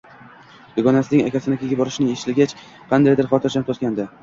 Dugonasining akasinikiga borishini etishgach, qandaydir xotirjam tortgandi